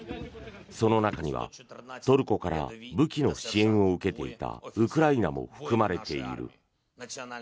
その中にはトルコから武器の支援を受けていたウクライナも含まれている。